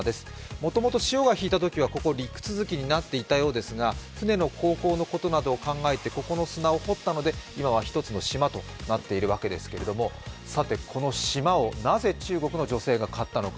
もともと、潮が引いたときは陸続きになっていたようですが船の航行のことなどを考えてここの間を掘ったので今は１つの島となっているわけですけれども、さて、この島をなぜ中国の女性が買ったのか。